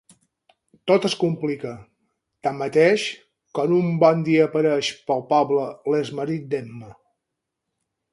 Tot es complica, tanmateix, quan un bon dia apareix pel poble l'exmarit d'Emma.